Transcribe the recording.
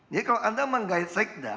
jadi kalau anda mengait sekda